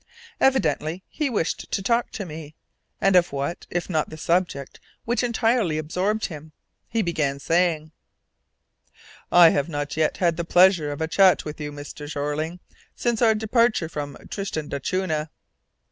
Evidently he wished to talk to me, and of what, if not the subject which entirely absorbed him? He began by saying: "I have not yet had the pleasure of a chat with you, Mr. Jeorling, since our departure from Tristan d'Acunha!"